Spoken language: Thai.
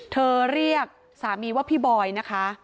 เรียกสามีว่าพี่บอยนะคะ